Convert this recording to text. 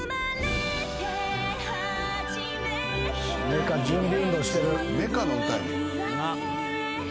メカ準備運動してる。